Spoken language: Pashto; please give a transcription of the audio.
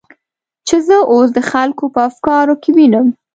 چې زه اوس د خلکو په افکارو کې وینم.